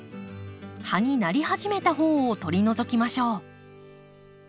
葉になり始めた方を取り除きましょう。